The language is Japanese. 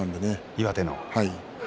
岩手の。